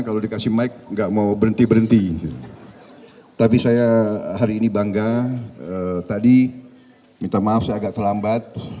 kalau dikasih mike gak mau berhenti berhenti tapi saya hari ini bangga tadi minta maaf agak terlambat